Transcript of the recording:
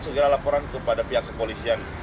segera laporan kepada pihak kepolisian